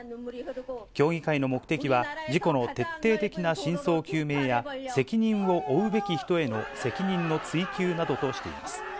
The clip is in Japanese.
協議会の目的は、事故の徹底的な真相究明や、責任を負うべき人への責任の追及などとしています。